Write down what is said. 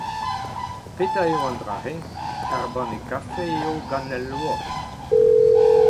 Petra eo an dra-se ? Ur banne kafe eo gant ul loa.